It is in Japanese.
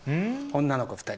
女の子２人。